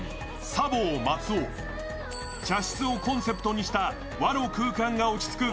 茶房松緒、茶室をコンセプトにした和の空間が落ち着く